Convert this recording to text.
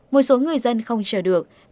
một số người dân không chờ được